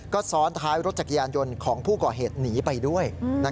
ก็ซ้อนท้ายรถจักรยานยนต์ของผู้ก่อเหตุหนีไปด้วย